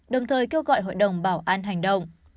đồng thời kêu gọi hội đồng bảo an hành động